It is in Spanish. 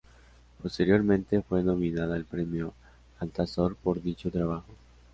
Posteriormente, fue nominada al Premio Altazor por dicho trabajo.